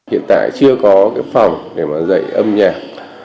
hiện tại chưa có phòng để dạy âm nhạc